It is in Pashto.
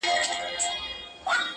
دا د یزید او کربلا لښکري؛